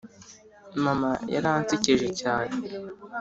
mama yaransekeje cyane